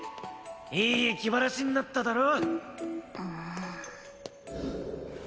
いい気晴らしになっただろ？